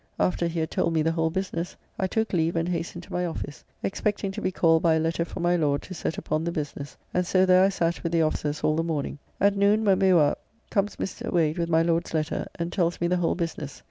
After he had told me the whole business, I took leave and hastened to my office, expecting to be called by a letter from my Lord to set upon the business, and so there I sat with the officers all the morning. At noon when we were up comes Mr. Wade with my Lord's letter, and tells me the whole business.